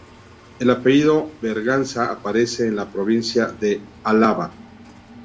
El apellido Berganza aparece en la provincia de Álava.